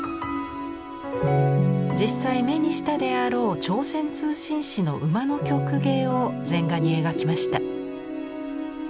実際目にしたであろう朝鮮通信使の馬の曲芸を禅画に描きました。